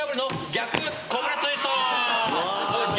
逆コブラツイスト！